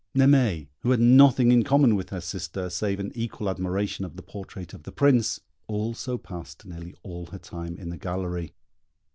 Naimée, who had nothing in common with her sister, save an equal admiration of the portrait of the Prince, also passed nearly all her time in the gallery.